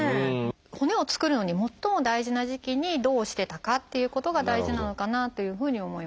骨を作るのに最も大事な時期にどうしてたかっていうことが大事なのかなというふうに思います。